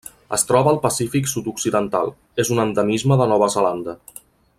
Es troba al Pacífic sud-occidental: és un endemisme de Nova Zelanda.